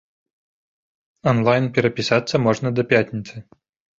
Анлайн перапісацца можна да да пятніцы.